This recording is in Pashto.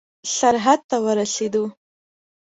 سرحد ته ورسېدو.